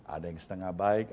ada yang setengah baik